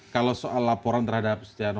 kalau soal laporan terhadap